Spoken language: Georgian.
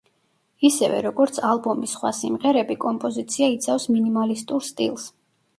ისევე, როგორც ალბომის სხვა სიმღერები, კომპოზიცია იცავს მინიმალისტურ სტილს.